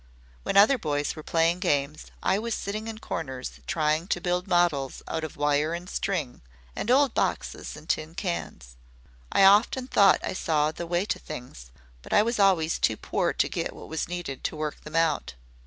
When other boys were playing games I was sitting in corners trying to build models out of wire and string, and old boxes and tin cans. I often thought I saw the way to things, but I was always too poor to get what was needed to work them out.